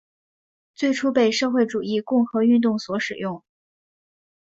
最初被社会主义共和运动所使用。